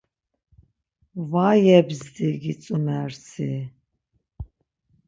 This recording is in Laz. Va yebzdi gitzumer si.